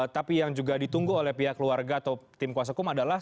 tapi yang juga ditunggu oleh pihak keluarga atau tim kuasa hukum adalah